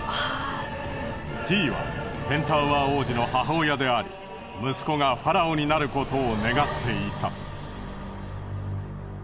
ティイはペンタウアー王子の母親であり息子がファラオになることを願っていた。